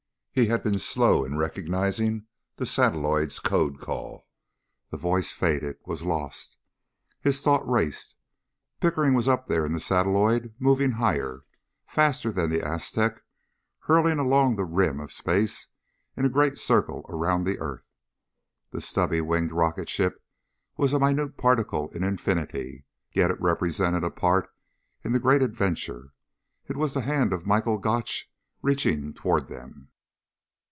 He had been slow in recognizing the satelloid's code call. The voice faded was lost. His thought raced. Pickering was up there in the satelloid moving higher, faster than the Aztec, hurtling along the rim of space in a great circle around the earth. The stubby winged rocket ship was a minute particle in infinity, yet it represented a part in the great adventure. It was the hand of Michael Gotch reaching toward them.